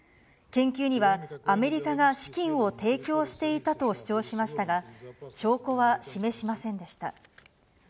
研究にはアメリカが資金を提供していたと主張しましたが、証拠は示しませんでした。